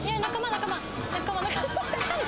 仲間仲間。